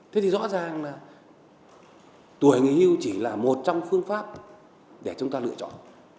thế thì rõ ràng là tuổi nghỉ hưu chỉ là một trong phương pháp để chúng ta lựa chọn